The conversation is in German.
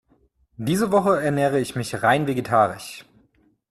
Diese Woche ernähre ich mich rein vegetarisch.